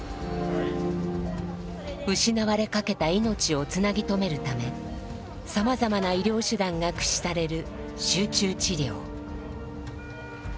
失われかけた命をつなぎ留めるためさまざまな医療手段が駆使される集中治療。